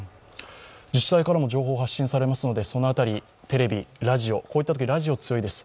自治体からも情報は発信されますので、テレビ、ラジオ、こういうときはラジオが強いです。